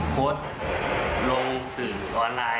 โพสต์ลงสื่อออนไลน์